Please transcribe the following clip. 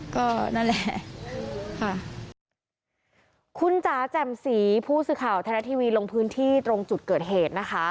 ก็นั่นแหละค่ะคุณจ๋าแจ่มสีผู้สื่อข่าวไทยรัฐทีวีลงพื้นที่ตรงจุดเกิดเหตุนะคะ